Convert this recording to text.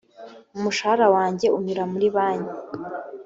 umushahara wanjye unyura muri banki